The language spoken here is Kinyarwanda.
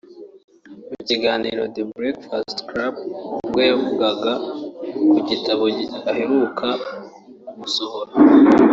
mu kiganiro ‘The Breakfast Club ubwo yavugaga ku gitabo aheruka gusohora